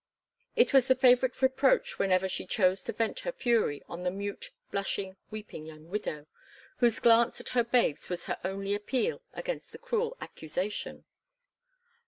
It was the favourite reproach whenever she chose to vent her fury on the mute, blushing, weeping young widow, whose glance at her babies was her only appeal against the cruel accusation.